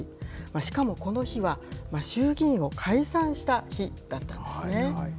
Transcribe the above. しかもこの日は衆議院を解散した日だったんですね。